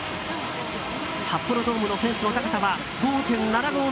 札幌ドームのフェンスの高さは５．７５ｍ。